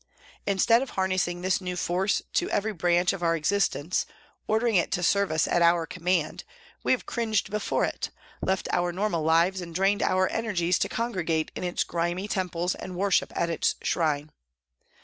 Instead of harnessing this new force to every branch of OUT existence, ordering it to serve us at our command, INTRODUCTION 5 we have cringed before it, left our normal lives and drained our energies to congregate in its grimy temples and worship at its shrine.